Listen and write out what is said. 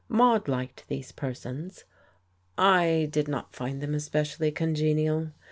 Maude liked these persons; I did not find them especially congenial.